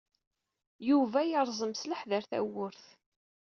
Yuba yerẓem s leḥder tawwurt.